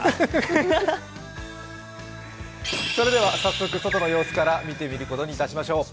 早速、外の様子から見てみることにしましょう。